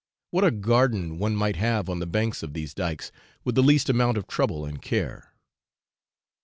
what a garden one might have on the banks of these dykes, with the least amount of trouble and care!